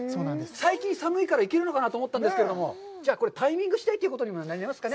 最近寒いからいけるのかなと思ったんですけれども、きょうは、これ、タイミング次第ということになりますかね。